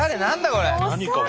これ。